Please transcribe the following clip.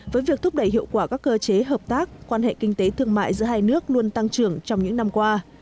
với việc thúc đẩy hiệu quả các cơ chế hợp tác quan hệ kinh tế thương mại giữa hai nước luôn tăng trưởng trong những năm qua